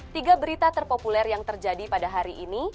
tiga berita terpopuler yang terjadi pada hari ini